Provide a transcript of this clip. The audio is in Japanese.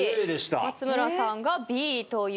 松村さんがＢということで。